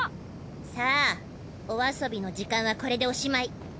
さあお遊びの時間はこれでおしまい。